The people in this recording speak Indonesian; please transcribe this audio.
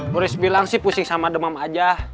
boris bilang sih pusing sama demam aja